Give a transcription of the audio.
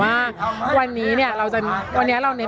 อย่างที่บอกไปว่าเรายังยึดในเรื่องของข้อเรียกร้อง๓ข้อ